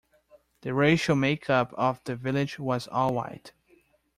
The racial makeup of the village was all White.